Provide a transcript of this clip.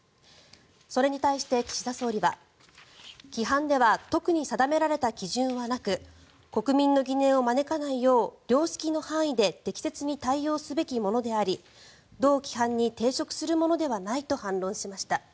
それに対して岸田総理は規範では特に定められた基準はなく国民の疑念を招かないよう良識の範囲で適切に対応すべきものであり同規範に抵触するものではないと反論しました。